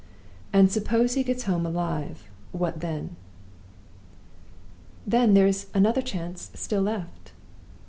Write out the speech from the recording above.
"And suppose he gets home alive what then?" "Then there is another chance still left."